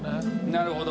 なるほど。